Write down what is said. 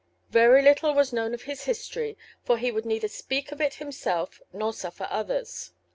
Very little was known of his history, for he would neither speak of it himself nor suffer others.